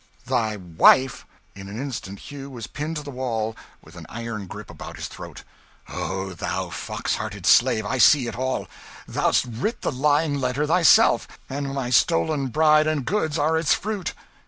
"Thy wife!" In an instant Hugh was pinned to the wall, with an iron grip about his throat. "Oh, thou fox hearted slave, I see it all! Thou'st writ the lying letter thyself, and my stolen bride and goods are its fruit.